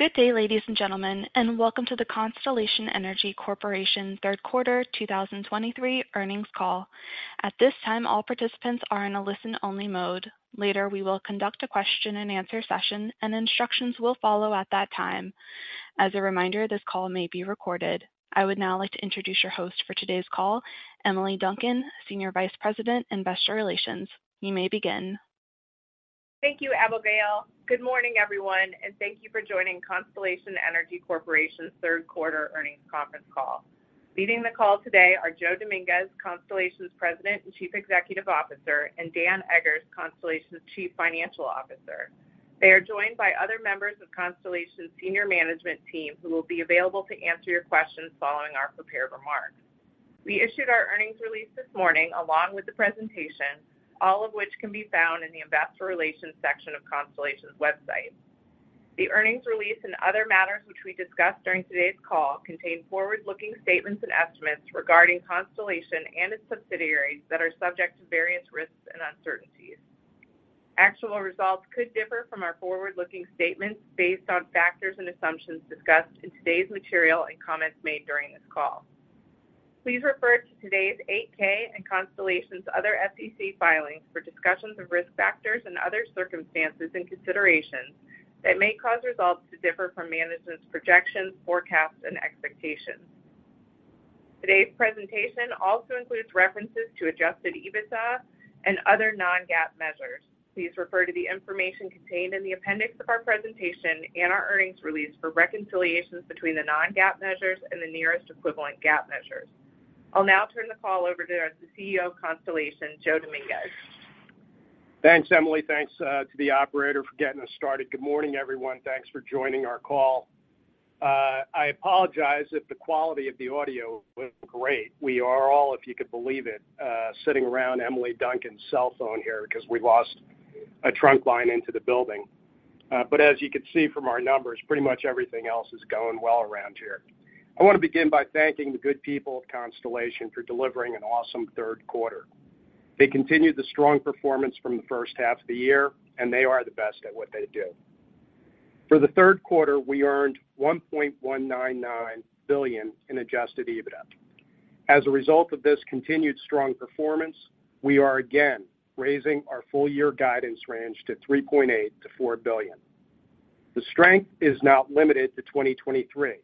Good day, ladies and gentlemen, and welcome to the Constellation Energy Corporation third quarter 2023 earnings call. At this time, all participants are in a listen-only mode. Later, we will conduct a question-and-answer session, and instructions will follow at that time. As a reminder, this call may be recorded. I would now like to introduce your host for today's call, Emily Duncan, Senior Vice President, Investor Relations. You may begin. Thank you, Abigail. Good morning, everyone, and thank you for joining Constellation Energy Corporation's third quarter earnings conference call. Leading the call today are Joe Dominguez, Constellation's President and Chief Executive Officer, and Dan Eggers, Constellation's Chief Financial Officer. They are joined by other members of Constellation's senior management team, who will be available to answer your questions following our prepared remarks. We issued our earnings release this morning, along with the presentation, all of which can be found in the Investor Relations section of Constellation's website. The earnings release and other matters which we discussed during today's call contain forward-looking statements and estimates regarding Constellation and its subsidiaries that are subject to various risks and uncertainties. Actual results could differ from our forward-looking statements based on factors and assumptions discussed in today's material and comments made during this call. Please refer to today's 8-K and Constellation's other SEC filings for discussions of risk factors and other circumstances and considerations that may cause results to differ from management's projections, forecasts, and expectations. Today's presentation also includes references to Adjusted EBITDA and other non-GAAP measures. Please refer to the information contained in the appendix of our presentation and our earnings release for reconciliations between the non-GAAP measures and the nearest equivalent GAAP measures. I'll now turn the call over to the CEO of Constellation, Joe Dominguez. Thanks, Emily. Thanks to the operator for getting us started. Good morning, everyone. Thanks for joining our call. I apologize if the quality of the audio wasn't great. We are all, if you could believe it, sitting around Emily Duncan's cell phone here because we lost a trunk line into the building. But as you can see from our numbers, pretty much everything else is going well around here. I want to begin by thanking the good people of Constellation for delivering an awesome third quarter. They continued the strong performance from the first half of the year, and they are the best at what they do. For the third quarter, we earned $1.199 billion in adjusted EBITDA. As a result of this continued strong performance, we are again raising our full-year guidance range to $3.8 billion-$4 billion. The strength is not limited to 2023,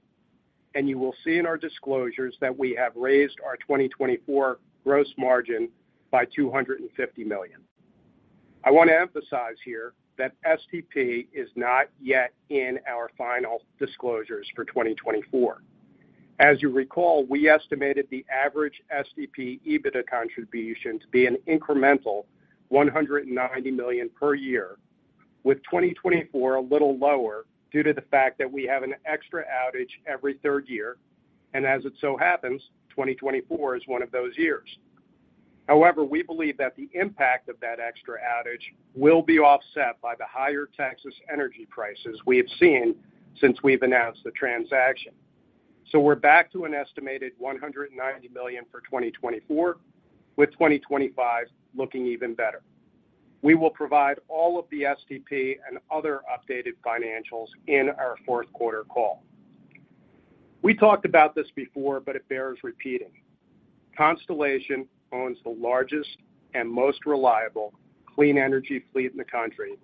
and you will see in our disclosures that we have raised our 2024 gross margin by $250 million. I want to emphasize here that STP is not yet in our final disclosures for 2024. As you recall, we estimated the average STP EBITDA contribution to be an incremental $190 million per year, with 2024 a little lower due to the fact that we have an extra outage every third year, and as it so happens, 2024 is one of those years. However, we believe that the impact of that extra outage will be offset by the higher Texas energy prices we have seen since we've announced the transaction. So we're back to an estimated $190 million for 2024, with 2025 looking even better. We will provide all of the STP and other updated financials in our fourth quarter call. We talked about this before, but it bears repeating. Constellation owns the largest and most reliable clean energy fleet in the country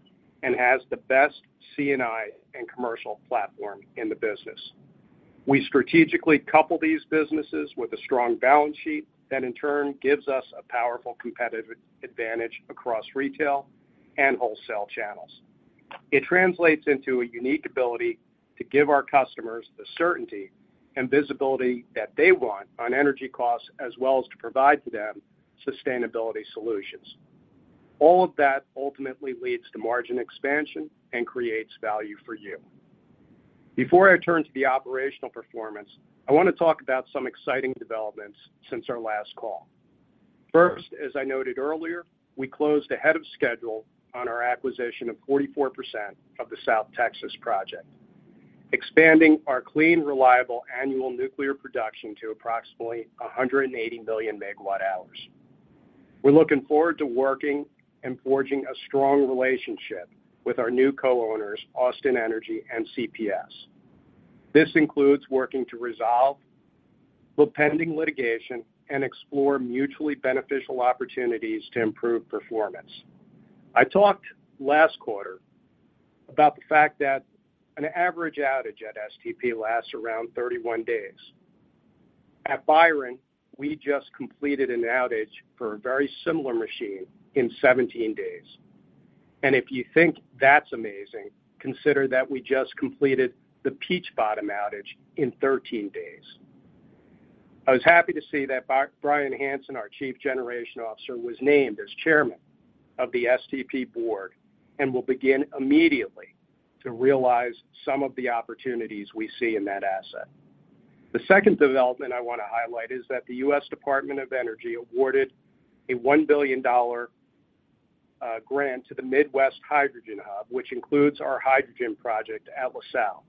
and has the best C&I and commercial platform in the business. We strategically couple these businesses with a strong balance sheet that, in turn, gives us a powerful competitive advantage across retail and wholesale channels. It translates into a unique ability to give our customers the certainty and visibility that they want on energy costs, as well as to provide to them sustainability solutions. All of that ultimately leads to margin expansion and creates value for you. Before I turn to the operational performance, I want to talk about some exciting developments since our last call. First, as I noted earlier, we closed ahead of schedule on our acquisition of 44% of the South Texas Project, expanding our clean, reliable annual nuclear production to approximately 180 million megawatt hours. We're looking forward to working and forging a strong relationship with our new co-owners, Austin Energy and CPS. This includes working to resolve the pending litigation and explore mutually beneficial opportunities to improve performance. I talked last quarter about the fact that an average outage at STP lasts around 31 days. At Byron, we just completed an outage for a very similar machine in 17 days. And if you think that's amazing, consider that we just completed the Peach Bottom outage in 13 days. I was happy to see that Bryan Hanson, our Chief Generation Officer, was named as Chairman of the STP Board and will begin immediately to realize some of the opportunities we see in that asset. The second development I want to highlight is that the U.S. Department of Energy awarded a $1 billion grant to the Midwest Hydrogen Hub, which includes our hydrogen project at LaSalle.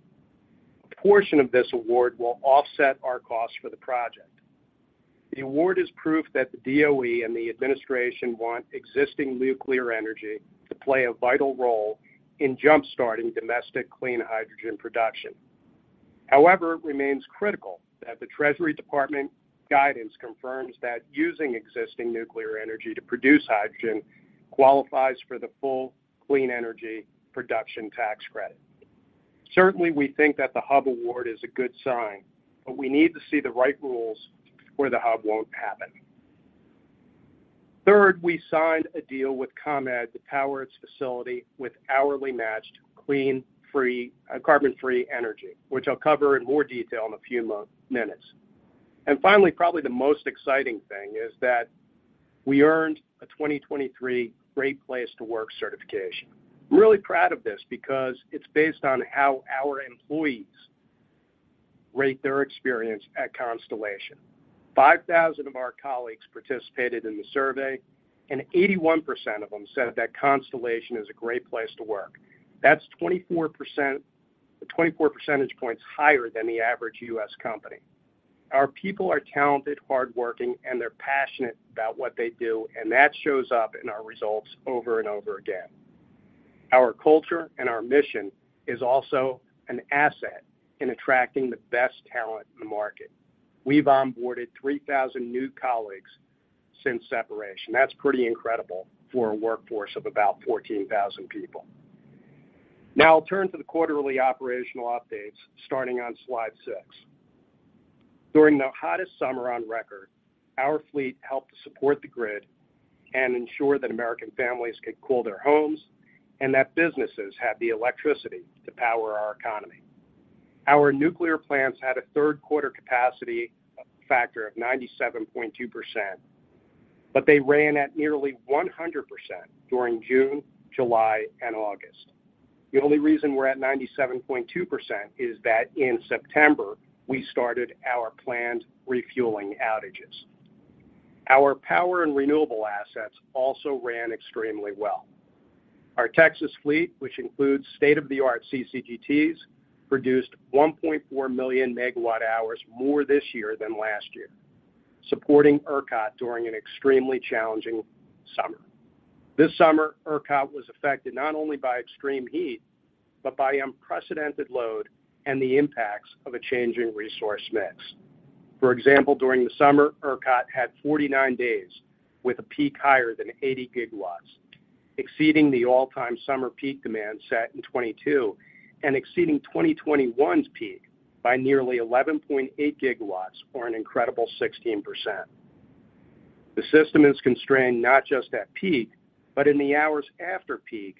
A portion of this award will offset our costs for the project. The award is proof that the DOE and the administration want existing nuclear energy to play a vital role in jumpstarting domestic clean hydrogen production. However, it remains critical that the Treasury Department guidance confirms that using existing nuclear energy to produce hydrogen qualifies for the full clean energy production tax credit. Certainly, we think that the hub award is a good sign, but we need to see the right rules or the hub won't happen. Third, we signed a deal with ComEd to power its facility with hourly matched, clean, carbon-free energy, which I'll cover in more detail in a few minutes. And finally, probably the most exciting thing is that we earned a 2023 Great Place to Work certification. Really proud of this because it's based on how our employees rate their experience at Constellation. 5,000 of our colleagues participated in the survey, and 81% of them said that Constellation is a great place to work. That's 24 percentage points higher than the average U.S. company. Our people are talented, hardworking, and they're passionate about what they do, and that shows up in our results over and over again. Our culture and our mission is also an asset in attracting the best talent in the market. We've onboarded 3,000 new colleagues since separation. That's pretty incredible for a workforce of about 14,000 people. Now I'll turn to the quarterly operational updates, starting on slide 6. During the hottest summer on record, our fleet helped to support the grid and ensure that American families could cool their homes and that businesses had the electricity to power our economy. Our nuclear plants had a third quarter capacity factor of 97.2%, but they ran at nearly 100% during June, July, and August. The only reason we're at 97.2% is that in September, we started our planned refueling outages. Our power and renewable assets also ran extremely well. Our Texas fleet, which includes state-of-the-art CCGTs, produced 1.4 million MWh more this year than last year, supporting ERCOT during an extremely challenging summer. This summer, ERCOT was affected not only by extreme heat, but by unprecedented load and the impacts of a changing resource mix. For example, during the summer, ERCOT had 49 days with a peak higher than 80 GW, exceeding the all-time summer peak demand set in 2022, and exceeding 2021's peak by nearly 11.8 GW, or an incredible 16%. The system is constrained not just at peak, but in the hours after peak,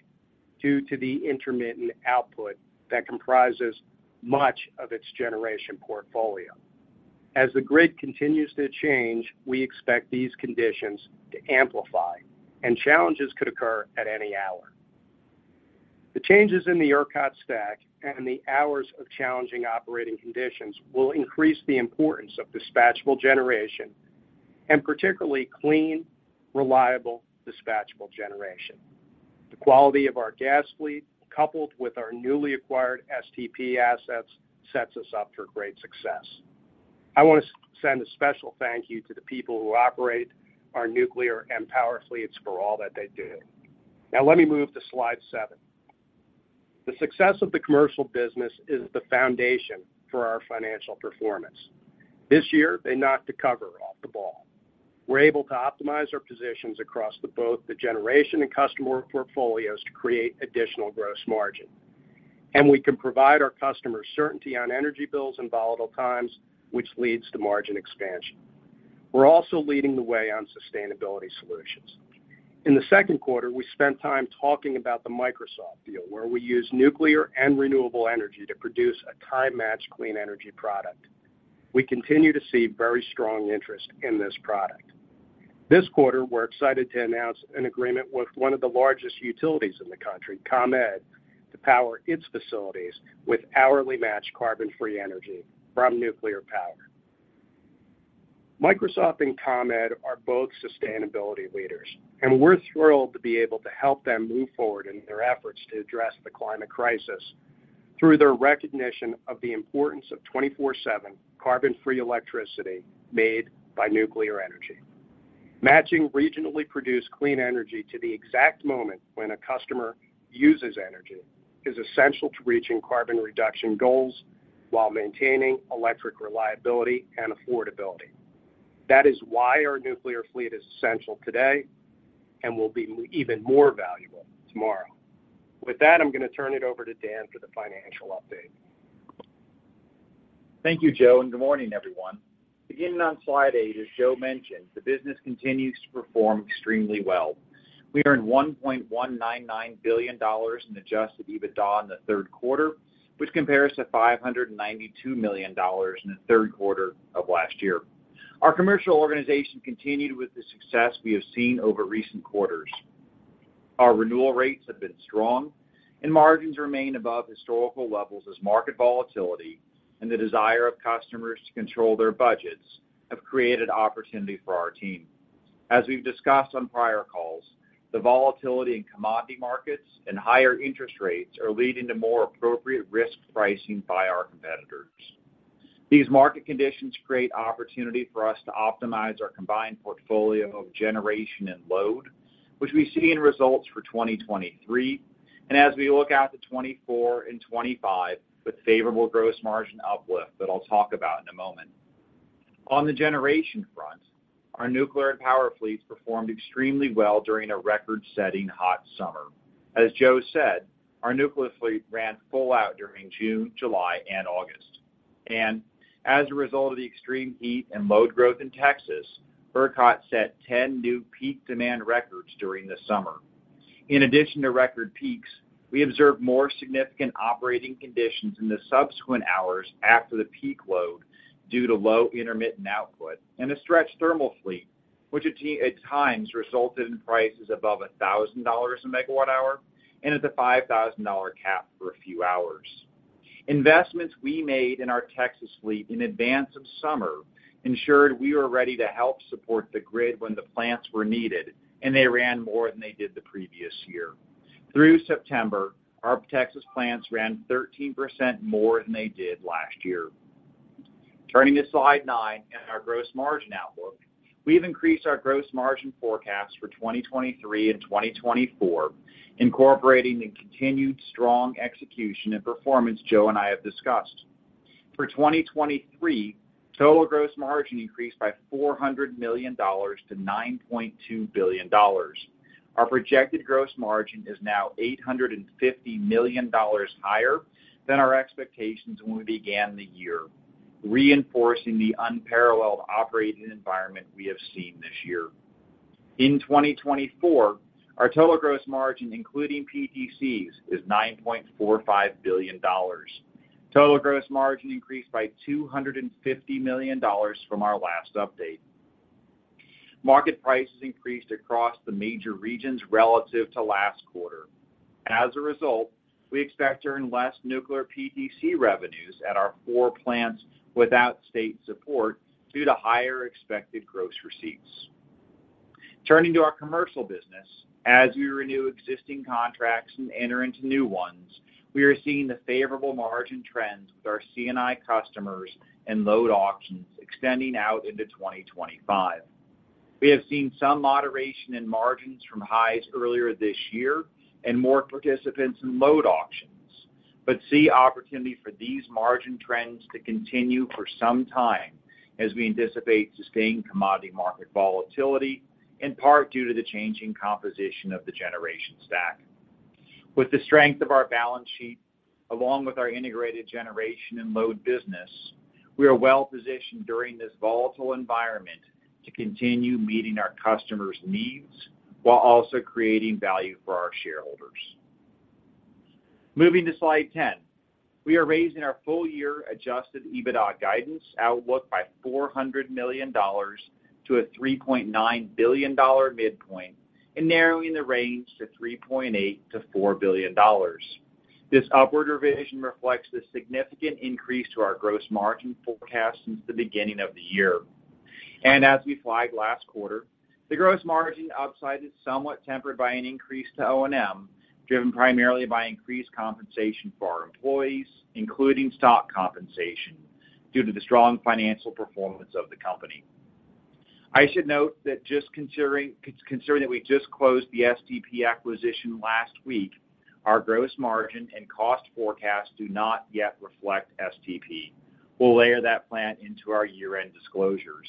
due to the intermittent output that comprises much of its generation portfolio. As the grid continues to change, we expect these conditions to amplify, and challenges could occur at any hour. The changes in the ERCOT stack and the hours of challenging operating conditions will increase the importance of dispatchable generation, and particularly clean, reliable, dispatchable generation. The quality of our gas fleet, coupled with our newly acquired STP assets, sets us up for great success. I want to send a special thank you to the people who operate our nuclear and power fleets for all that they do. Now let me move to slide 7. The success of the commercial business is the foundation for our financial performance. This year, they knocked the cover off the ball. We're able to optimize our positions across both the generation and customer portfolios to create additional gross margin, and we can provide our customers certainty on energy bills in volatile times, which leads to margin expansion. We're also leading the way on sustainability solutions. In the second quarter, we spent time talking about the Microsoft deal, where we use nuclear and renewable energy to produce a time-matched clean energy product. We continue to see very strong interest in this product. This quarter, we're excited to announce an agreement with one of the largest utilities in the country, ComEd, to power its facilities with hourly matched carbon-free energy from nuclear power. Microsoft and ComEd are both sustainability leaders, and we're thrilled to be able to help them move forward in their efforts to address the climate crisis through their recognition of the importance of 24/7 carbon-free electricity made by nuclear energy. Matching regionally produced clean energy to the exact moment when a customer uses energy is essential to reaching carbon reduction goals while maintaining electric reliability and affordability. That is why our nuclear fleet is essential today and will be even more valuable tomorrow. With that, I'm going to turn it over to Dan for the financial update. Thank you, Joe, and good morning, everyone. Beginning on slide 8, as Joe mentioned, the business continues to perform extremely well. We earned $1.199 billion in adjusted EBITDA in the third quarter, which compares to $592 million in the third quarter of last year. Our commercial organization continued with the success we have seen over recent quarters. Our renewal rates have been strong, and margins remain above historical levels as market volatility and the desire of customers to control their budgets have created opportunity for our team... as we've discussed on prior calls, the volatility in commodity markets and higher interest rates are leading to more appropriate risk pricing by our competitors. These market conditions create opportunity for us to optimize our combined portfolio of generation and load, which we see in results for 2023, and as we look out to 2024 and 2025, with favorable gross margin uplift that I'll talk about in a moment. On the generation front, our nuclear and power fleets performed extremely well during a record-setting hot summer. As Joe said, our nuclear fleet ran full out during June, July, and August. And as a result of the extreme heat and load growth in Texas, ERCOT set 10 new peak demand records during the summer. In addition to record peaks, we observed more significant operating conditions in the subsequent hours after the peak load due to low intermittent output and a stretched thermal fleet, which at times resulted in prices above $1,000/MWh and at the $5,000 cap for a few hours. Investments we made in our Texas fleet in advance of summer ensured we were ready to help support the grid when the plants were needed, and they ran more than they did the previous year. Through September, our Texas plants ran 13% more than they did last year. Turning to slide 9 and our gross margin outlook, we've increased our gross margin forecast for 2023 and 2024, incorporating the continued strong execution and performance Joe and I have discussed. For 2023, total gross margin increased by $400 million to $9.2 billion. Our projected gross margin is now $850 million higher than our expectations when we began the year, reinforcing the unparalleled operating environment we have seen this year. In 2024, our total gross margin, including PTCs, is $9.45 billion. Total gross margin increased by $250 million from our last update. Market prices increased across the major regions relative to last quarter. As a result, we expect to earn less nuclear PTC revenues at our four plants without state support due to higher expected gross receipts. Turning to our commercial business, as we renew existing contracts and enter into new ones, we are seeing the favorable margin trends with our C&I customers and load auctions extending out into 2025. We have seen some moderation in margins from highs earlier this year and more participants in load auctions, but see opportunity for these margin trends to continue for some time as we anticipate sustained commodity market volatility, in part due to the changing composition of the generation stack. With the strength of our balance sheet, along with our integrated generation and load business, we are well positioned during this volatile environment to continue meeting our customers' needs while also creating value for our shareholders. Moving to slide 10. We are raising our full-year Adjusted EBITDA guidance outlook by $400 million to a $3.9 billion midpoint and narrowing the range to $3.8 billion-$4 billion. This upward revision reflects the significant increase to our gross margin forecast since the beginning of the year. As we flagged last quarter, the gross margin upside is somewhat tempered by an increase to O&M, driven primarily by increased compensation for our employees, including stock compensation, due to the strong financial performance of the company. I should note that just considering that we just closed the STP acquisition last week, our gross margin and cost forecasts do not yet reflect STP. We'll layer that plan into our year-end disclosures.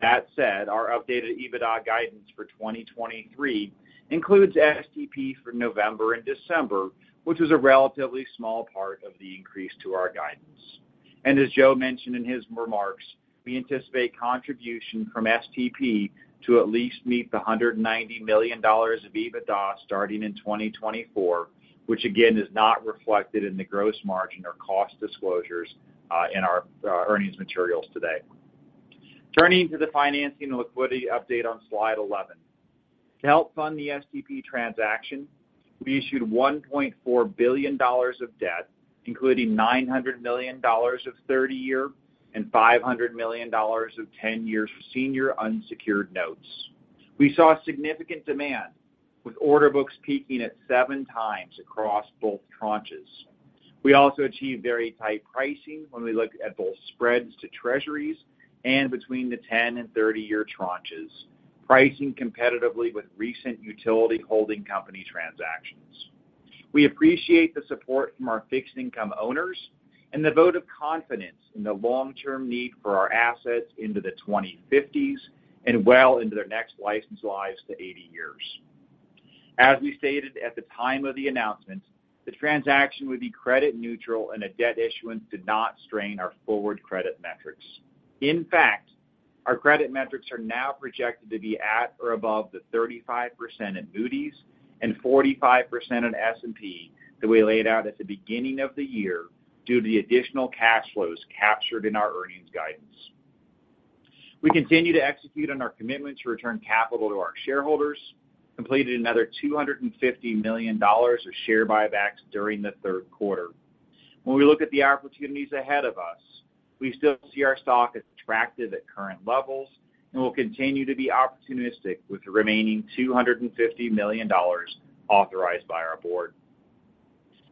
That said, our updated EBITDA guidance for 2023 includes STP for November and December, which is a relatively small part of the increase to our guidance. And as Joe mentioned in his remarks, we anticipate contribution from STP to at least meet the $190 million of EBITDA starting in 2024, which, again, is not reflected in the gross margin or cost disclosures in our earnings materials today. Turning to the financing and liquidity update on slide 11. To help fund the STP transaction, we issued $1.4 billion of debt, including $900 million of 30-year and $500 million of 10-year senior unsecured notes. We saw significant demand, with order books peaking at 7 times across both tranches. We also achieved very tight pricing when we looked at both spreads to Treasuries and between the 10- and 30-year tranches, pricing competitively with recent utility holding company transactions. We appreciate the support from our fixed-income owners and the vote of confidence in the long-term need for our assets into the 2050s and well into their next license lives to 80 years. As we stated at the time of the announcement, the transaction would be credit neutral, and a debt issuance did not strain our forward credit metrics. In fact, our credit metrics are now projected to be at or above the 35% in Moody's and 45% in S&P that we laid out at the beginning of the year, due to the additional cash flows captured in our earnings guidance. We continue to execute on our commitment to return capital to our shareholders, completed another $250 million of share buybacks during the third quarter... When we look at the opportunities ahead of us, we still see our stock as attractive at current levels, and we'll continue to be opportunistic with the remaining $250 million authorized by our board.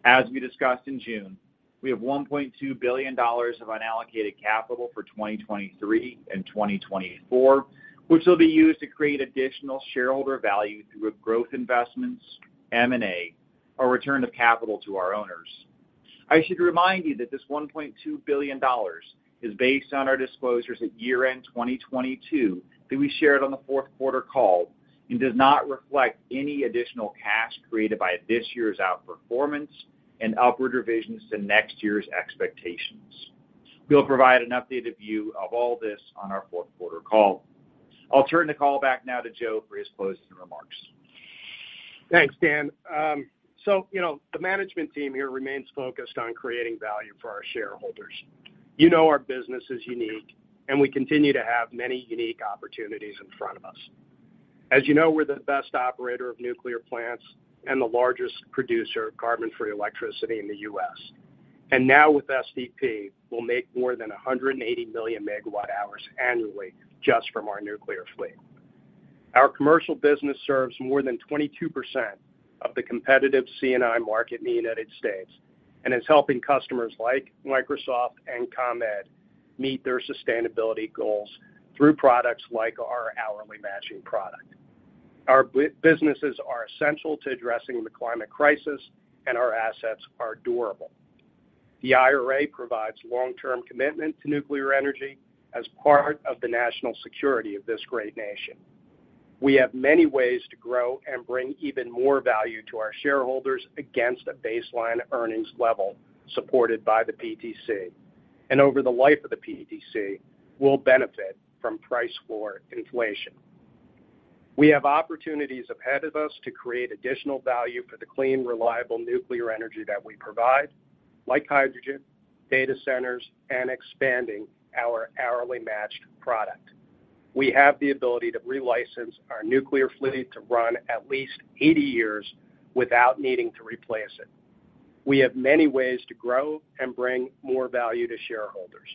As we discussed in June, we have $1.2 billion of unallocated capital for 2023 and 2024, which will be used to create additional shareholder value through growth investments, M&A, or return of capital to our owners. I should remind you that this $1.2 billion is based on our disclosures at year-end 2022, that we shared on the fourth quarter call, and does not reflect any additional cash created by this year's outperformance and upward revisions to next year's expectations. We'll provide an updated view of all this on our fourth quarter call. I'll turn the call back now to Joe for his closing remarks. Thanks, Dan. So, you know, the management team here remains focused on creating value for our shareholders. You know our business is unique, and we continue to have many unique opportunities in front of us. As you know, we're the best operator of nuclear plants and the largest producer of carbon-free electricity in the U.S. And now with STP, we'll make more than 180 million megawatt hours annually just from our nuclear fleet. Our commercial business serves more than 22% of the competitive C&I market in the United States, and is helping customers like Microsoft and ComEd meet their sustainability goals through products like our hourly matching product. Our businesses are essential to addressing the climate crisis, and our assets are durable. The IRA provides long-term commitment to nuclear energy as part of the national security of this great nation. We have many ways to grow and bring even more value to our shareholders against a baseline earnings level supported by the PTC. And over the life of the PTC, we'll benefit from price floor inflation. We have opportunities ahead of us to create additional value for the clean, reliable nuclear energy that we provide, like hydrogen, data centers, and expanding our hourly matched product. We have the ability to relicense our nuclear fleet to run at least 80 years without needing to replace it. We have many ways to grow and bring more value to shareholders.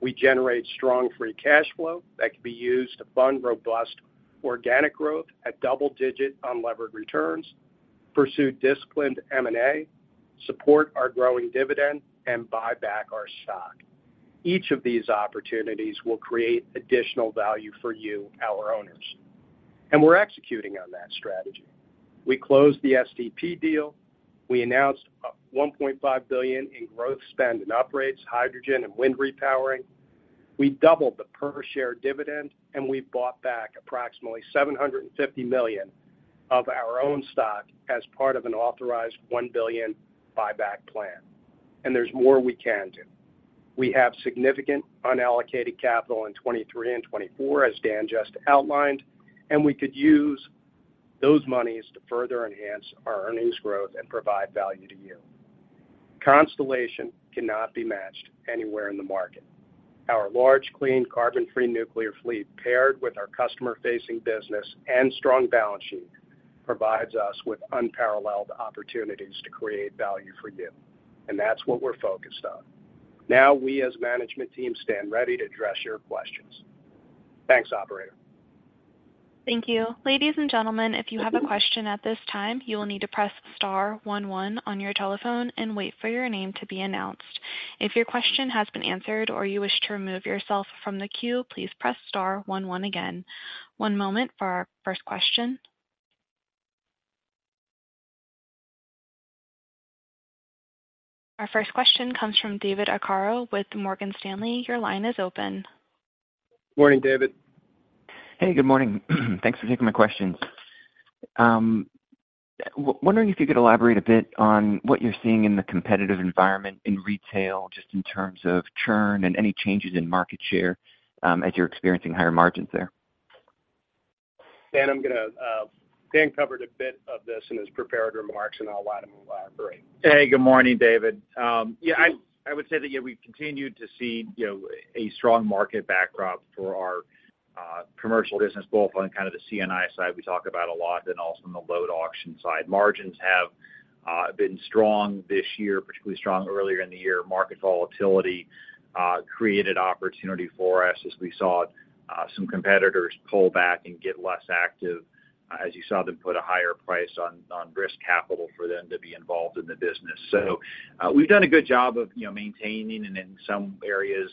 We generate strong free cash flow that can be used to fund robust organic growth at double-digit unlevered returns, pursue disciplined M&A, support our growing dividend, and buy back our stock. Each of these opportunities will create additional value for you, our owners, and we're executing on that strategy. We closed the STP deal. We announced $1.5 billion in growth spend on hydrogen and wind repowering. We doubled the per-share dividend, and we've bought back approximately $750 million of our own stock as part of an authorized $1 billion buyback plan. And there's more we can do. We have significant unallocated capital in 2023 and 2024, as Dan just outlined, and we could use those monies to further enhance our earnings growth and provide value to you. Constellation cannot be matched anywhere in the market. Our large, clean, carbon-free nuclear fleet, paired with our customer-facing business and strong balance sheet, provides us with unparalleled opportunities to create value for you, and that's what we're focused on. Now, we, as a management team, stand ready to address your questions. Thanks, operator. Thank you. Ladies and gentlemen, if you have a question at this time, you will need to press star one one on your telephone and wait for your name to be announced. If your question has been answered or you wish to remove yourself from the queue, please press star one one again. One moment for our first question. Our first question comes from David Arcaro with Morgan Stanley. Your line is open. Morning, David. Hey, good morning. Thanks for taking my questions. Wondering if you could elaborate a bit on what you're seeing in the competitive environment in retail, just in terms of churn and any changes in market share, as you're experiencing higher margins there. Dan, I'm gonna. Dan covered a bit of this in his prepared remarks, and I'll allow him to elaborate. Hey, good morning, David. Yeah, I would say that, yeah, we've continued to see, you know, a strong market backdrop for our commercial business, both on kind of the C&I side we talk about a lot and also on the load auction side. Margins have been strong this year, particularly strong earlier in the year. Market volatility created opportunity for us as we saw some competitors pull back and get less active, as you saw them put a higher price on risk capital for them to be involved in the business. So, we've done a good job of, you know, maintaining and in some areas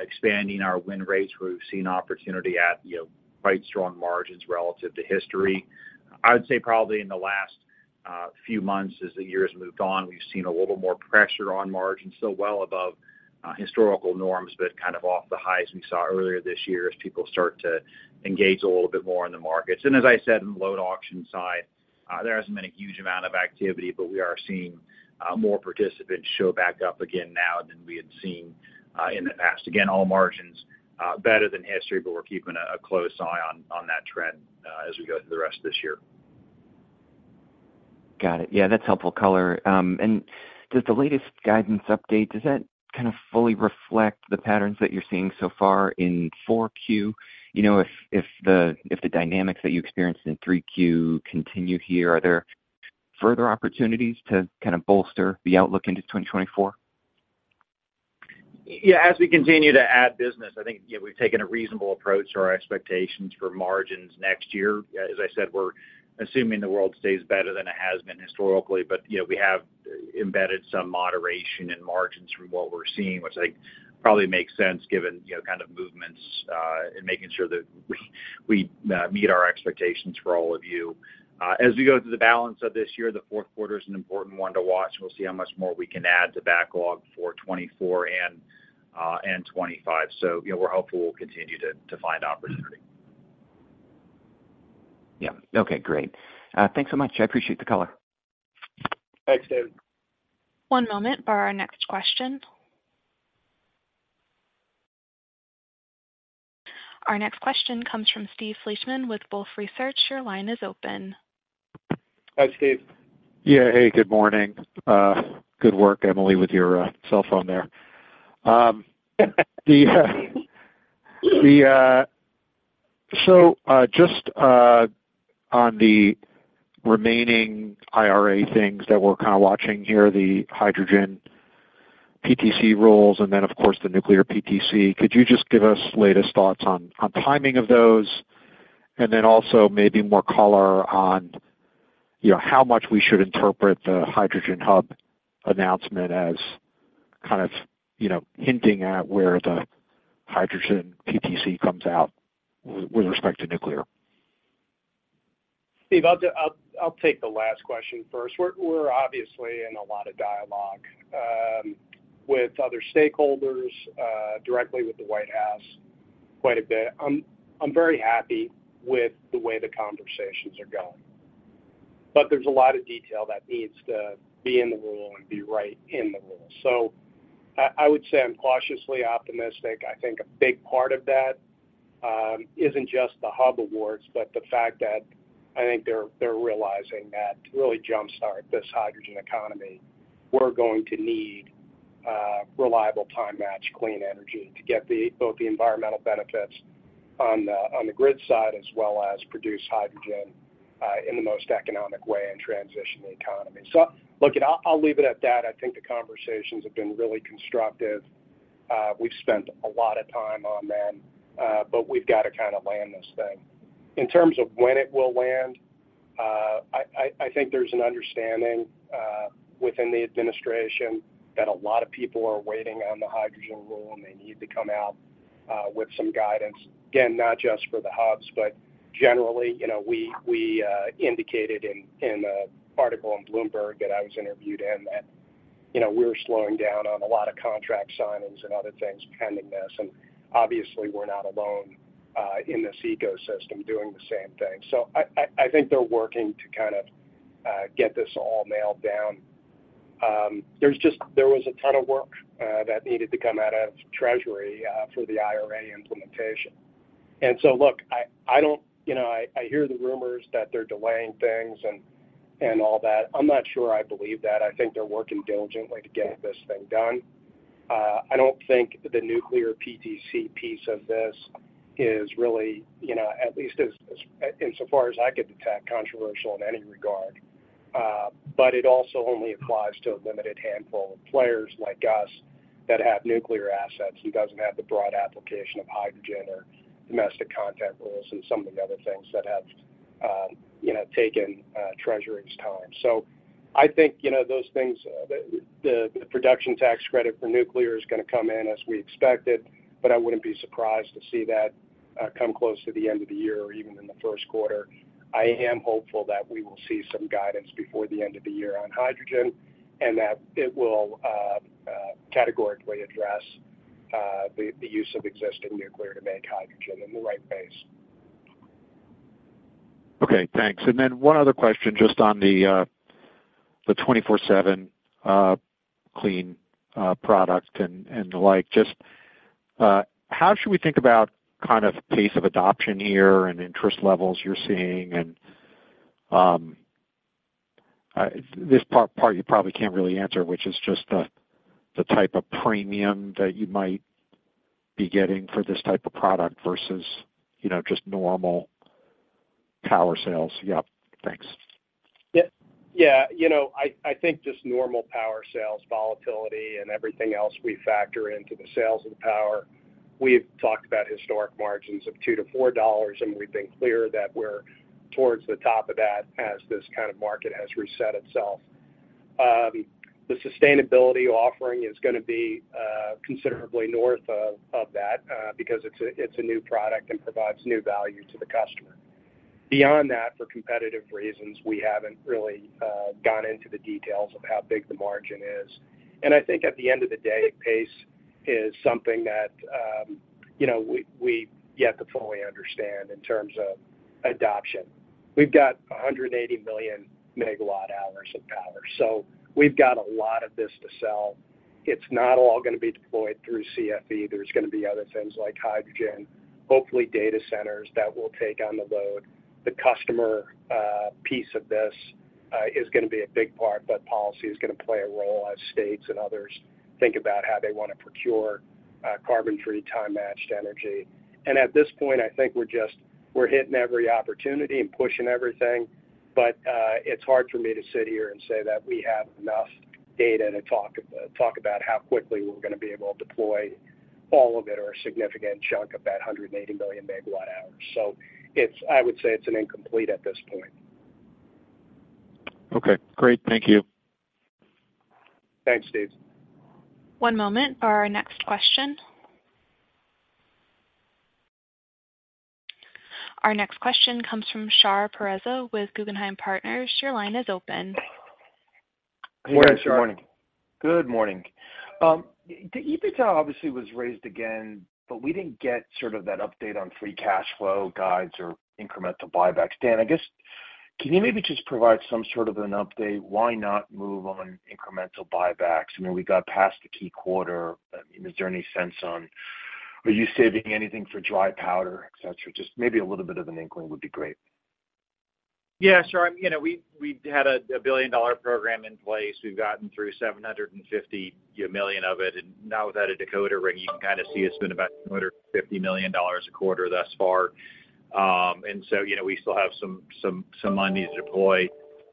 expanding our win rates, where we've seen opportunity at, you know, quite strong margins relative to history. I'd say probably in the last few months, as the year has moved on, we've seen a little more pressure on margins, still well above historical norms, but kind of off the highs we saw earlier this year as people start to engage a little bit more in the markets. And as I said, in the load auction side, there hasn't been a huge amount of activity, but we are seeing more participants show back up again now than we had seen in the past. Again, all margins better than history, but we're keeping a close eye on that trend as we go through the rest of this year. Got it. Yeah, that's helpful color. And does the latest guidance update, does that kind of fully reflect the patterns that you're seeing so far in 4Q? You know, if, if the, if the dynamics that you experienced in 3Q continue here, are there further opportunities to kind of bolster the outlook into 2024? Yeah, as we continue to add business, I think, you know, we've taken a reasonable approach to our expectations for margins next year. As I said, we're assuming the world stays better than it has been historically, but, you know, we have embedded some moderation in margins from what we're seeing, which I think probably makes sense given, you know, kind of movements in making sure that we meet our expectations for all of you. As we go through the balance of this year, the fourth quarter is an important one to watch. We'll see how much more we can add to backlog for 2024 and 2025. So, you know, we're hopeful we'll continue to find opportunity. Yeah. Okay, great. Thanks so much. I appreciate the call. Thanks, David. One moment for our next question. Our next question comes from Steve Fleishman with Wolfe Research. Your line is open. Hi, Steve. Yeah, hey, good morning. Good work, Emily, with your cell phone there. So, just on the remaining IRA things that we're kind of watching here, the hydrogen PTC rules and then, of course, the nuclear PTC, could you just give us latest thoughts on timing of those? And then also maybe more color on, you know, how much we should interpret the hydrogen hub announcement as kind of, you know, hinting at where the hydrogen PTC comes out with respect to nuclear. Steve, I'll take the last question first. We're obviously in a lot of dialogue with other stakeholders directly with the White House quite a bit. I'm very happy with the way the conversations are going, but there's a lot of detail that needs to be in the rule and be right in the rule. So I would say I'm cautiously optimistic. I think a big part of that isn't just the hub awards, but the fact that I think they're realizing that to really jump-start this hydrogen economy, we're going to need reliable time match, clean energy to get the both the environmental benefits on the on the grid side, as well as produce hydrogen in the most economic way and transition the economy. So look, it I'll leave it at that. I think the conversations have been really constructive. We've spent a lot of time on them, but we've got to kind of land this thing. In terms of when it will land, I think there's an understanding within the administration that a lot of people are waiting on the hydrogen rule, and they need to come out with some guidance. Again, not just for the hubs, but generally, you know, we indicated in an article in Bloomberg that I was interviewed in that, you know, we're slowing down on a lot of contract signings and other things pending this, and obviously we're not alone in this ecosystem doing the same thing. So I think they're working to kind of get this all nailed down. There's just there was a ton of work that needed to come out of Treasury for the IRA implementation. And so, look, I, I don't... You know, I, I hear the rumors that they're delaying things and, and all that. I'm not sure I believe that. I think they're working diligently to get this thing done. I don't think the Nuclear PTC piece of this is really, you know, at least as, as insofar as I can detect, controversial in any regard, but it also only applies to a limited handful of players like us that have nuclear assets and doesn't have the broad application of hydrogen or domestic content rules and some of the other things that have, you know, taken Treasury's time. So I think, you know, those things, the production tax credit for nuclear is gonna come in as we expected, but I wouldn't be surprised to see that come close to the end of the year or even in the first quarter. I am hopeful that we will see some guidance before the end of the year on hydrogen, and that it will categorically address the use of existing nuclear to make hydrogen in the right pace. Okay, thanks. And then one other question, just on the, the 24/7, clean, product and, and the like. Just, how should we think about kind of pace of adoption here and interest levels you're seeing? And, this part, part you probably can't really answer, which is just the, the type of premium that you might be getting for this type of product versus, you know, just normal power sales. Yeah, thanks. Yeah, yeah. You know, I think just normal power sales volatility and everything else we factor into the sales of the power. We've talked about historic margins of $2-$4, and we've been clear that we're towards the top of that as this kind of market has reset itself. The sustainability offering is gonna be considerably north of that because it's a new product and provides new value to the customer. Beyond that, for competitive reasons, we haven't really gone into the details of how big the margin is. I think at the end of the day, pace is something that, you know, we yet to fully understand in terms of adoption. We've got 180 million megawatt-hours of power, so we've got a lot of this to sell. It's not all gonna be deployed through CFE. There's gonna be other things like hydrogen, hopefully data centers that will take on the load. The customer piece of this is gonna be a big part, but policy is gonna play a role as states and others think about how they want to procure. Carbon-free time-matched energy. And at this point, I think we're just hitting every opportunity and pushing everything. But it's hard for me to sit here and say that we have enough data to talk about how quickly we're going to be able to deploy all of it or a significant chunk of that 180 million megawatt hours. So it's an incomplete at this point. Okay, great. Thank you. Thanks, Dave. One moment for our next question. Our next question comes from Shar Pourreza with Guggenheim Partners. Your line is open. Morning, Shar. Good morning. The EBITDA obviously was raised again, but we didn't get sort of that update on free cash flow guides or incremental buybacks. Dan, I guess, can you maybe just provide some sort of an update? Why not move on incremental buybacks? I mean, we got past the key quarter. Is there any sense on, are you saving anything for dry powder, et cetera? Just maybe a little bit of an inkling would be great. Yeah, sure. You know, we had a billion-dollar program in place. We've gotten through $750 million of it, and now without a decoder ring, you can kind of see it's been about $250 million a quarter thus far. And so, you know, we still have some money to deploy.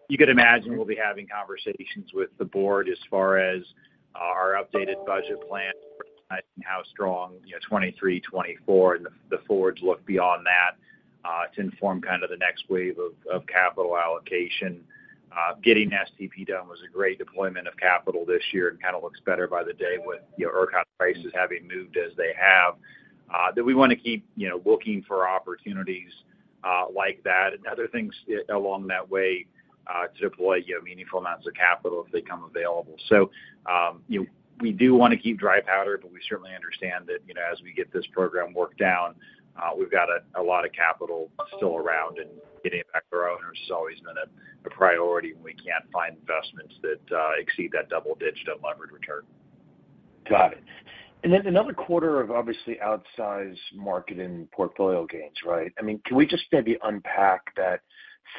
You could imagine we'll be having conversations with the board as far as our updated budget plan, how strong, you know, 2023, 2024, and the forward look beyond that, to inform kind of the next wave of capital allocation. Getting STP done was a great deployment of capital this year and kind of looks better by the day with, you know, ERCOT prices having moved as they have. That we want to keep, you know, looking for opportunities, like that and other things along that way, to deploy, you know, meaningful amounts of capital if they come available. So, you know, we do want to keep dry powder, but we certainly understand that, you know, as we get this program worked out, we've got a lot of capital still around, and getting it back to our owners has always been a priority, and we can't find investments that exceed that double-digit unlevered return. Got it. And then another quarter of obviously outsized market and portfolio gains, right? I mean, can we just maybe unpack that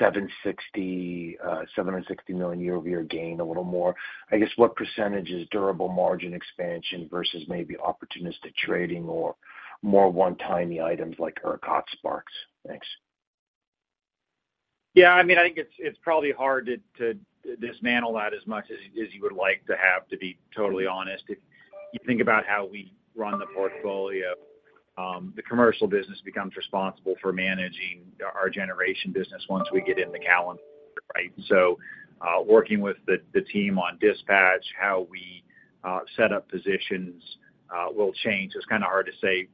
$760 million year-over-year gain a little more? I guess, what percentage is durable margin expansion versus maybe opportunistic trading or more one-time items like ERCOT sparks? Thanks. Yeah, I mean, I think it's, it's probably hard to, to dismantle that as much as, as you would like to have, to be totally honest. If you think about how we run the portfolio, the commercial business becomes responsible for managing our generation business once we get in the calendar, right? So, working with the team on dispatch, how we set up positions, will change. It's kind of hard to say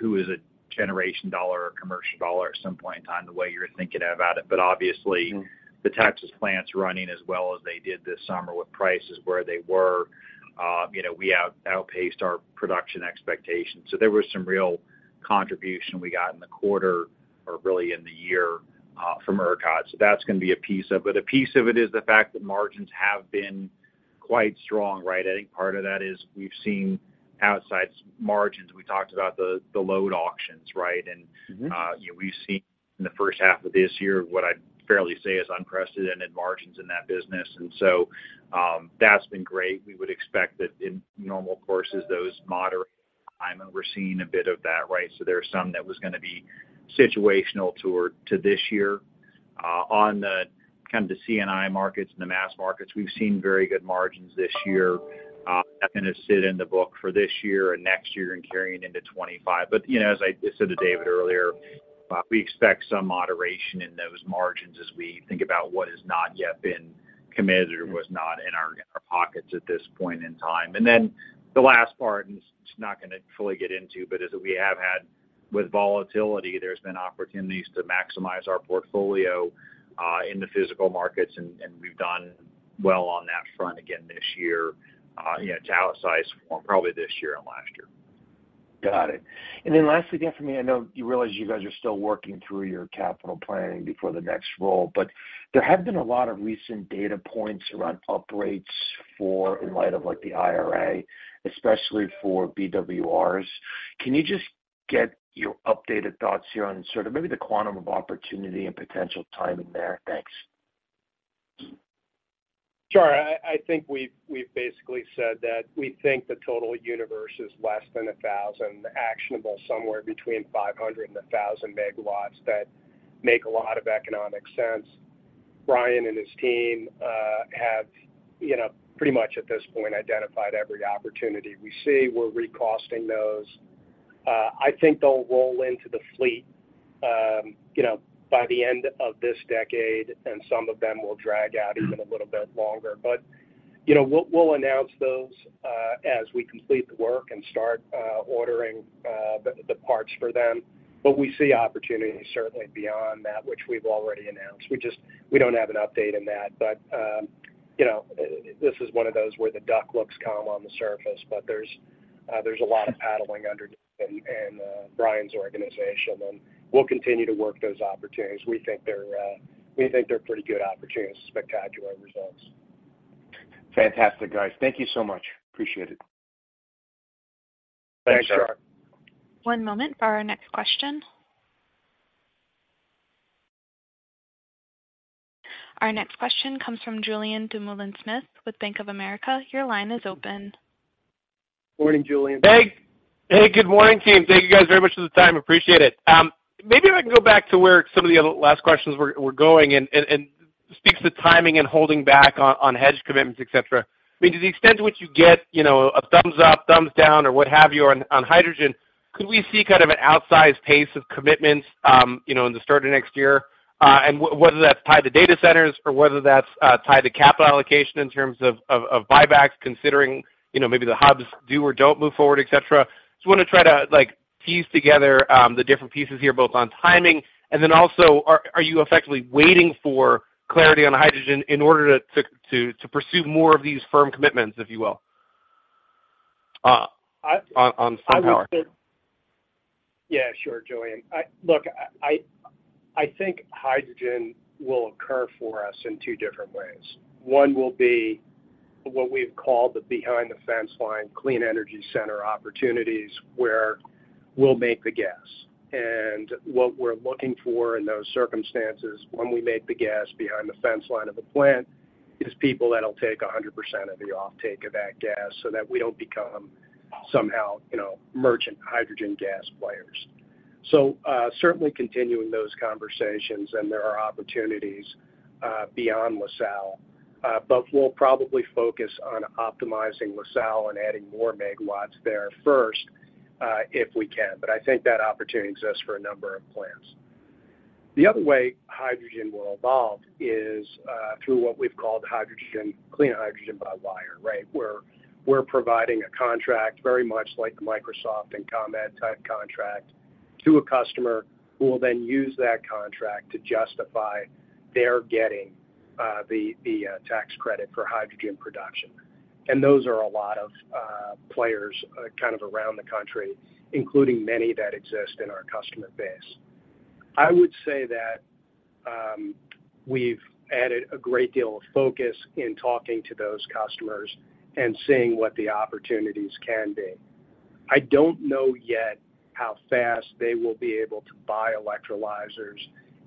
who is a generation dollar or commercial dollar at some point in time, the way you're thinking about it. But obviously, the Texas plants running as well as they did this summer with prices where they were, you know, we out-outpaced our production expectations. So there was some real contribution we got in the quarter or really in the year, from ERCOT. That's going to be a piece of it. A piece of it is the fact that margins have been quite strong, right? I think part of that is we've seen outside margins. We talked about the load auctions, right? Mm-hmm. And, you know, we've seen in the first half of this year what I'd fairly say is unprecedented margins in that business. And so, that's been great. We would expect that in normal courses, those moderate over time, and we're seeing a bit of that, right? So there are some of that was going to be situational to our to this year. On the kind of the C&I markets and the mass markets, we've seen very good margins this year, that's going to sit in the book for this year and next year and carrying into 2025. But, you know, as I said to David earlier, we expect some moderation in those margins as we think about what has not yet been committed or was not in our pockets at this point in time. And then the last part, and it's not going to fully get into, but as we have had with volatility, there's been opportunities to maximize our portfolio in the physical markets, and we've done well on that front again this year. You know, to outsize probably this year and last year. Got it. Then lastly, Dan, for me, I know you realize you guys are still working through your capital planning before the next role, but there have been a lot of recent data points around upgrades for in light of like the IRA, especially for BWRs. Can you just get your updated thoughts here on sort of maybe the quantum of opportunity and potential timing there? Thanks. Sure. I think we've basically said that we think the total universe is less than 1,000, actionable somewhere between 500 and 1,000 megawatts that make a lot of economic sense. Bryan and his team, you know, pretty much at this point, have identified every opportunity we see. We're recosting those. I think they'll roll into the fleet, you know, by the end of this decade, and some of them will drag out even a little bit longer. But, you know, we'll announce those, as we complete the work and start ordering the parts for them. But we see opportunities certainly beyond that, which we've already announced. We just, we don't have an update on that, but, you know, this is one of those where the duck looks calm on the surface, but there's a lot of paddling underneath in Bryan's organization, and we'll continue to work those opportunities. We think they're pretty good opportunities, spectacular results. Fantastic, guys. Thank you so much. Appreciate it. Thanks, Shar. One moment for our next question... Our next question comes from Julien Dumoulin-Smith with Bank of America. Your line is open. Morning, Julien. Hey. Hey, good morning, team. Thank you guys very much for the time. Appreciate it. Maybe if I can go back to where some of the other last questions were going and speaks to timing and holding back on hedge commitments, et cetera. I mean, to the extent to which you get, you know, a thumbs up, thumbs down, or what have you on hydrogen, could we see kind of an outsized pace of commitments, you know, in the start of next year? And whether that's tied to data centers or whether that's tied to capital allocation in terms of buybacks, considering, you know, maybe the hubs do or don't move forward, et cetera. Just wanna try to, like, piece together the different pieces here, both on timing and then also, are you effectively waiting for clarity on hydrogen in order to pursue more of these firm commitments, if you will? On some power. Yeah, sure, Julien. Look, I think hydrogen will occur for us in two different ways. One will be what we've called the behind-the-fence line, Clean Energy Center opportunities, where we'll make the gas. And what we're looking for in those circumstances, when we make the gas behind the fence line of the plant, is people that'll take 100% of the offtake of that gas so that we don't become somehow, you know, merchant hydrogen gas players. So, certainly continuing those conversations, and there are opportunities beyond LaSalle. But we'll probably focus on optimizing LaSalle and adding more megawatts there first, if we can. But I think that opportunity exists for a number of plants. The other way hydrogen will evolve is through what we've called hydrogen, clean hydrogen by wire, right? Where we're providing a contract, very much like the Microsoft and ComEd-type contract, to a customer who will then use that contract to justify their getting the tax credit for hydrogen production. And those are a lot of players kind of around the country, including many that exist in our customer base. I would say that we've added a great deal of focus in talking to those customers and seeing what the opportunities can be. I don't know yet how fast they will be able to buy electrolyzers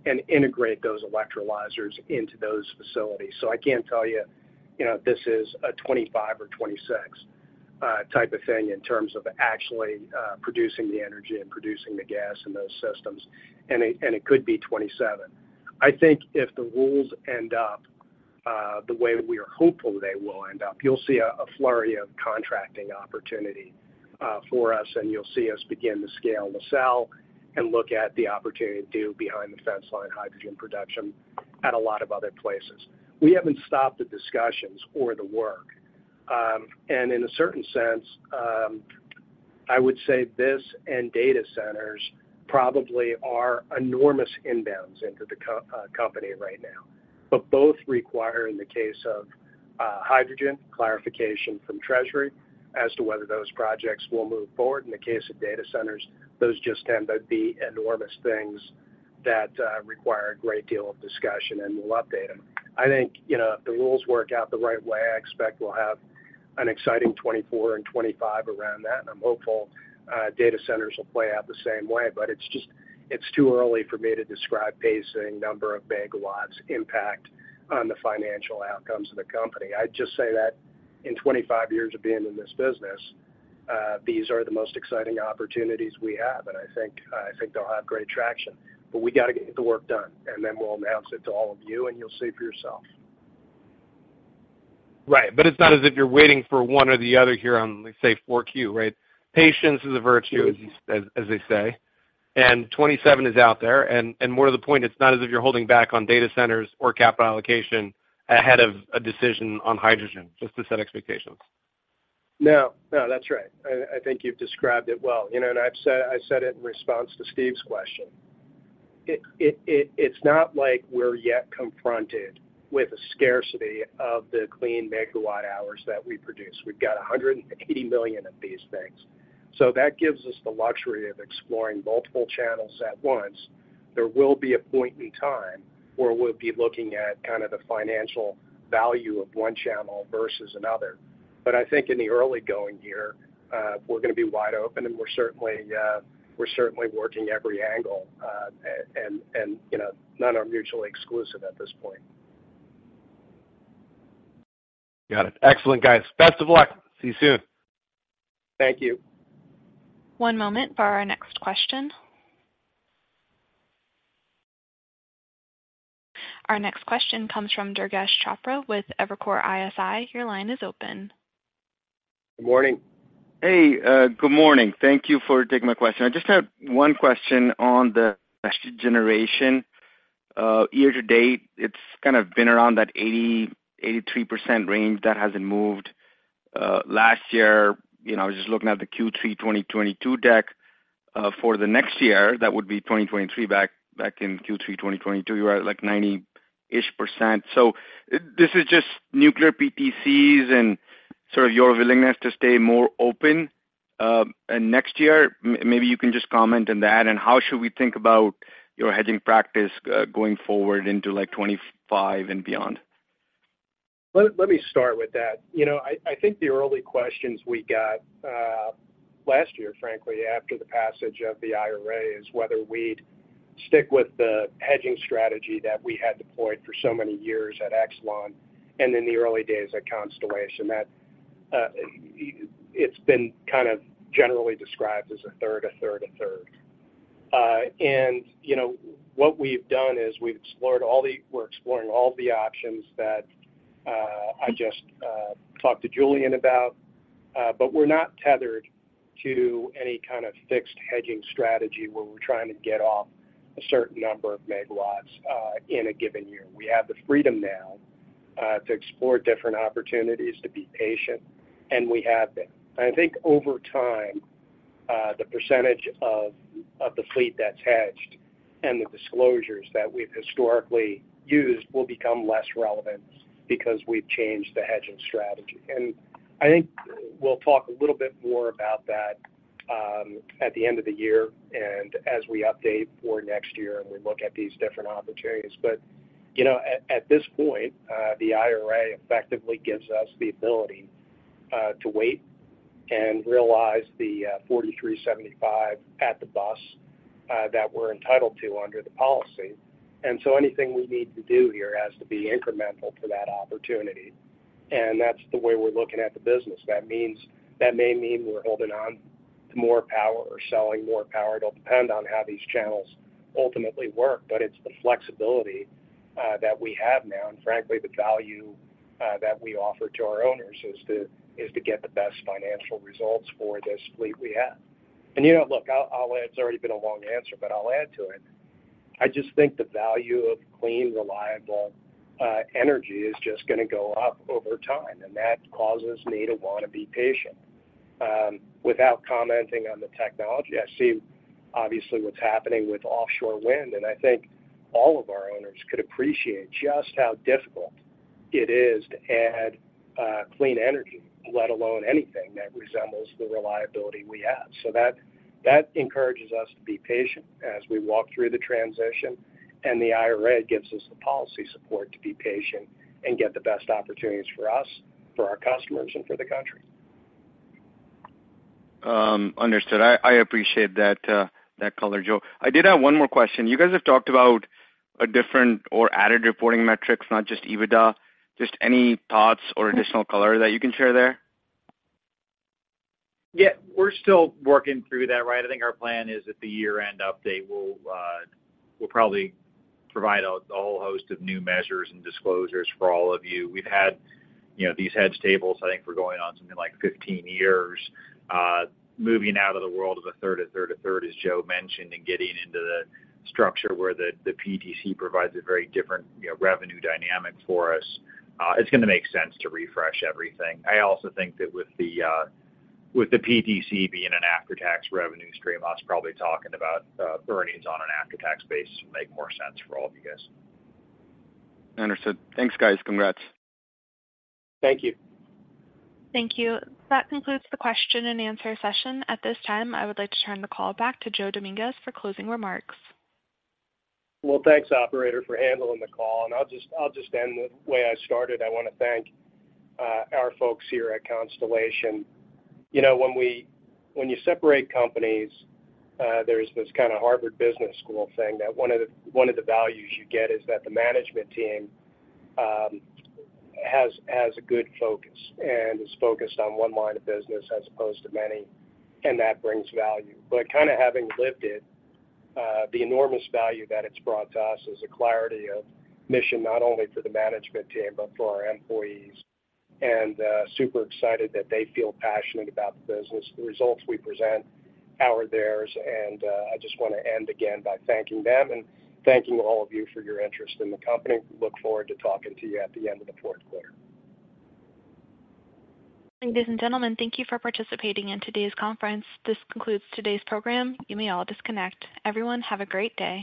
and integrate those electrolyzers into those facilities. So I can't tell you, you know, this is a 2025 or 2026 type of thing in terms of actually producing the energy and producing the gas in those systems, and it could be 2027. I think if the rules end up the way we are hopeful they will end up, you'll see a flurry of contracting opportunity for us, and you'll see us begin to scale LaSalle and look at the opportunity to do behind-the-fence-line hydrogen production at a lot of other places. We haven't stopped the discussions or the work. And in a certain sense, I would say this and data centers probably are enormous inbounds into the company right now. But both require, in the case of hydrogen, clarification from Treasury as to whether those projects will move forward. In the case of data centers, those just tend to be enormous things that require a great deal of discussion, and we'll update them. I think, you know, if the rules work out the right way, I expect we'll have an exciting 2024 and 2025 around that, and I'm hopeful, data centers will play out the same way. But it's just, it's too early for me to describe pacing, number of megawatts, impact on the financial outcomes of the company. I'd just say that in 25 years of being in this business, these are the most exciting opportunities we have, and I think, I think they'll have great traction. But we got to get the work done, and then we'll announce it to all of you, and you'll see for yourself. Right. But it's not as if you're waiting for one or the other here on, let's say, Q4, right? Patience is a virtue, as they say, and 2027 is out there. And more to the point, it's not as if you're holding back on data centers or capital allocation ahead of a decision on hydrogen, just to set expectations. No, no, that's right. I think you've described it well. You know, and I've said, I said it in response to Steve's question. It's not like we're yet confronted with a scarcity of the clean megawatt hours that we produce. We've got 180 million of these things, so that gives us the luxury of exploring multiple channels at once. There will be a point in time where we'll be looking at kind of the financial value of one channel versus another. But I think in the early going year, we're gonna be wide open, and we're certainly working every angle. And, you know, none are mutually exclusive at this point. Got it. Excellent, guys. Best of luck. See you soon. Thank you. One moment for our next question. Our next question comes from Durgesh Chopra with Evercore ISI. Your line is open. Good morning. Hey, good morning. Thank you for taking my question. I just have one question on the generation. Year to date, it's kind of been around that 80%-83% range. That hasn't moved. Last year, you know, I was just looking at the Q3 2022 deck. For the next year, that would be 2023, back in Q3 2022, you were at, like, 90-ish percent. So this is just nuclear PTCs and sort of your willingness to stay more open, and next year? Maybe you can just comment on that, and how should we think about your hedging practice, going forward into, like, 25 and beyond? Let me start with that. You know, I think the early questions we got last year, frankly, after the passage of the IRA, is whether we'd stick with the hedging strategy that we had deployed for so many years at Exelon, and in the early days at Constellation, that it's been kind of generally described as a third, a third, a third. And you know, what we've done is we're exploring all the options that I just talked to Julien about. But we're not tethered to any kind of fixed hedging strategy, where we're trying to get off a certain number of megawatts in a given year. We have the freedom now to explore different opportunities, to be patient, and we have been. I think over time, the percentage of the fleet that's hedged and the disclosures that we've historically used will become less relevant because we've changed the hedging strategy. I think we'll talk a little bit more about that at the end of the year and as we update for next year, and we look at these different opportunities. But, you know, at this point, the IRA effectively gives us the ability to wait and realize the $43.75 at the bus that we're entitled to under the policy. And so anything we need to do here has to be incremental to that opportunity, and that's the way we're looking at the business. That means - That may mean we're holding on to more power or selling more power. It'll depend on how these channels ultimately work, but it's the flexibility that we have now. And frankly, the value that we offer to our owners is to get the best financial results for this fleet we have. And, you know, look, I'll add, it's already been a long answer, but I'll add to it. I just think the value of clean, reliable energy is just gonna go up over time, and that causes me to want to be patient. Without commenting on the technology, I see obviously what's happening with offshore wind, and I think all of our owners could appreciate just how difficult it is to add clean energy, let alone anything that resembles the reliability we have. So that encourages us to be patient as we walk through the transition, and the IRA gives us the policy support to be patient and get the best opportunities for us, for our customers, and for the country. Understood. I appreciate that color, Joe. I did have one more question. You guys have talked about a different or added reporting metrics, not just EBITDA. Just any thoughts or additional color that you can share there? Yeah, we're still working through that, right? I think our plan is at the year-end update, we'll, we'll probably provide a whole host of new measures and disclosures for all of you. We've had, you know, these hedge tables, I think, for going on something like 15 years. Moving out of the world of a third, a third, a third, as Joe mentioned, and getting into the structure where the PTC provides a very different, you know, revenue dynamic for us, it's gonna make sense to refresh everything. I also think that with the PTC being an after-tax revenue stream, us probably talking about earnings on an after-tax basis will make more sense for all of you guys. Understood. Thanks, guys. Congrats. Thank you. Thank you. That concludes the question and answer session. At this time, I would like to turn the call back to Joe Dominguez for closing remarks. Well, thanks, operator, for handling the call, and I'll just, I'll just end the way I started. I want to thank, our folks here at Constellation. You know, when we-- when you separate companies, there's this kind of Harvard Business School thing, that one of the, one of the values you get is that the management team, has, has a good focus and is focused on one line of business as opposed to many, and that brings value. But kind of having lived it, the enormous value that it's brought to us is a clarity of mission, not only for the management team, but for our employees. And, super excited that they feel passionate about the business. The results we present are theirs, and, I just want to end again by thanking them and thanking all of you for your interest in the company. Look forward to talking to you at the end of the fourth quarter. Ladies and gentlemen, thank you for participating in today's conference. This concludes today's program. You may all disconnect. Everyone, have a great day.